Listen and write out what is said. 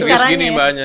yang serius gini mbaknya